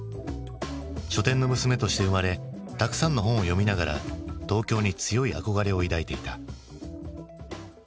書店の娘として生まれたくさんの本を読みながら東京に強い憧れを抱いていた。